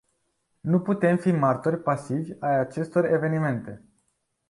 Nu putem fi martori pasivi ai acestor evenimente.